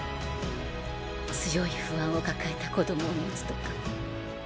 強い不安を抱えた子供を持つとか。